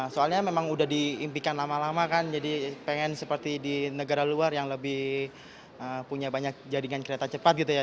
soalnya memang udah diimpikan lama lama kan jadi pengen seperti di negara luar yang lebih punya banyak jaringan kereta cepat gitu ya